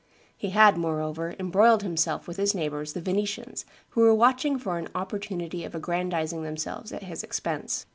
He had, moreover, embroiled himself with his neighbors the Venetians, who were watching for an opportunity of aggrandizing themselves at his expense.